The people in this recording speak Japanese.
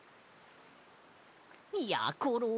やころ。